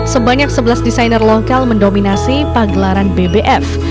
sebanyak sebelas desainer lokal mendominasi pagelaran bbf